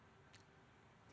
jadi pln itu